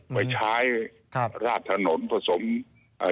ไปใช้ครับราดถนนผสมเอ่อ